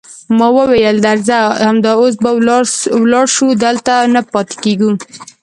ما وویل: درځه، همدا اوس به ولاړ شو، دلته نه پاتېږو.